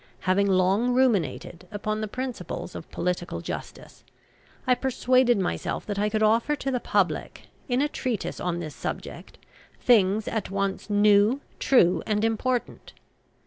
Having long ruminated upon the principles of Political Justice, I persuaded myself that I could offer to the public, in a treatise on this subject, things at once new, true, and important.